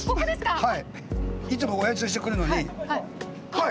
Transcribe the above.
はい。